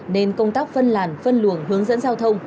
nên công tác phân làn phân luồng hướng dẫn giao thông